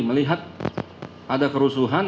melihat ada kerusuhan